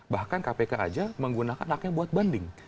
bahkan kpk aja menggunakan haknya buat banding